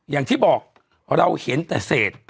อย่างที่บอกเราเห็นแต่เศษ